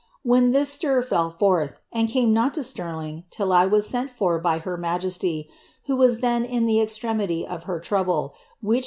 *■ when this stir fell forth, and came not to Stirling till I was sent U t It her majesty, who was then in the extremity of her trouble, which s.